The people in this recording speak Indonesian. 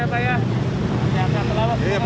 bagaian lajar ya pak ya